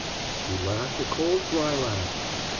She laughed a cold, dry laugh.